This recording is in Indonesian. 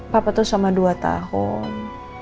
papa tuh selama dua tahun